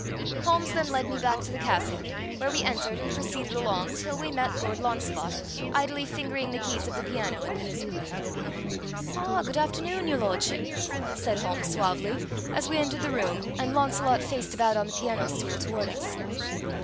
Holmes then led me back to the castle, where we entered and proceeded along till we met Lord Launcelot idly fingering the keys of the piano in the music room. "Ah, good afternoon, Your Lordship," said Holmes suavely, as we entered the room and Launcelot faced about on the piano stool toward us.